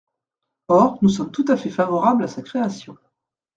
Or nous sommes tout à fait favorables à sa création.